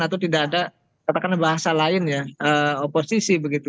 atau tidak ada katakanlah bahasa lain ya oposisi begitu